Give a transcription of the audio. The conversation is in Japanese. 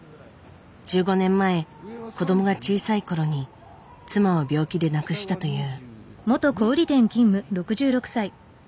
１５年前子どもが小さい頃に妻を病気で亡くしたという。